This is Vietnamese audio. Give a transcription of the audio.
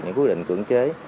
những quy định cưỡng chế